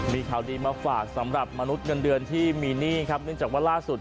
มีข่าวดีมาฝากสำหรับมนุษย์เงินเดือนที่มีหนี้ครับเนื่องจากว่าล่าสุด